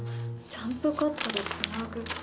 「ジャンプカットでつなぐ」。